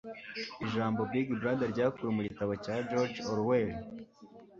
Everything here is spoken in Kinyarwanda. Ijambo Big Brother ryakuwe mu gitabo cya George Orwell?